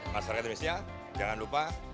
masyarakat indonesia jangan lupa